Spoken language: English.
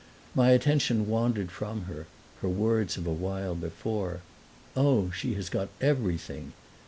My attention wandered from her; her words of a while before, "Oh, she has got everything!"